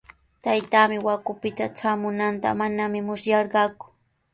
Taytaami Huacupita traamunanta manami musyarqaaku.